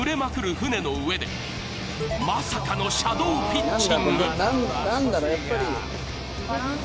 船の上でまさかのシャドーピッチング。